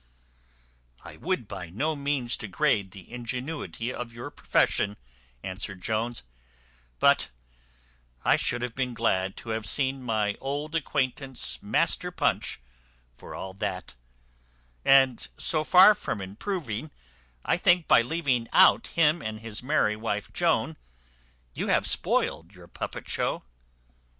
"I would by no means degrade the ingenuity of your profession," answered Jones, "but I should have been glad to have seen my old acquaintance master Punch, for all that; and so far from improving, I think, by leaving out him and his merry wife Joan, you have spoiled your puppet show."